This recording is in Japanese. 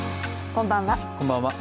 こんばんは。